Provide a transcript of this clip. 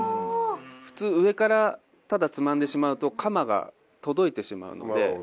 普通上からただつまんでしまうとカマが届いてしまうので。